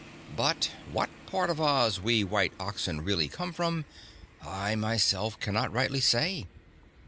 But what part of Oz we white oxen really come from, I myself cannot rightly say.